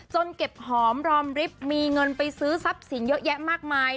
เก็บหอมรอมริบมีเงินไปซื้อทรัพย์สินเยอะแยะมากมาย